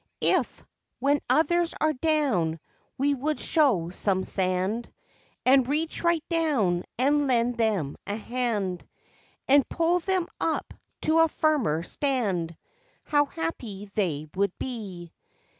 "If" when others are "down" we would show some sand And reach right down and lend them a hand, And pull them up to a firmer stand, How happy they would be.